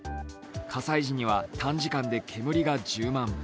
火災時には短時間で煙が充満。